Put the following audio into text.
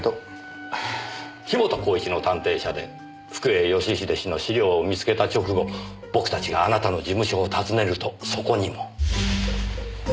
樋本晃一の探偵社で福栄義英氏の資料を見つけた直後僕たちがあなたの事務所を訪ねるとそこにも。